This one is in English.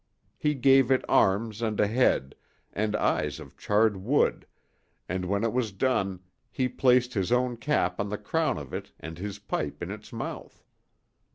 He gave it arms and a head, and eyes of charred wood, and when it was done he placed his own cap on the crown of it and his pipe in its mouth.